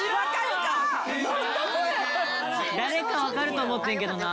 誰かわかると思ってんけどな。